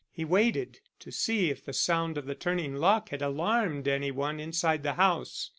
He waited to see if the sound of the turning lock had alarmed any one inside the house.